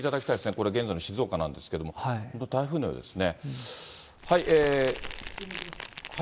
これ、現在の静岡なんですけど、本当に台風のようですね。